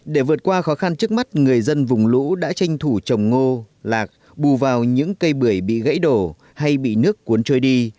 để vượt qua khó khăn trước mắt người dân vùng lũ đã tranh thủ trồng ngô lạc bù vào những cây bưởi bị gãy đổ hay bị nước cuốn trôi đi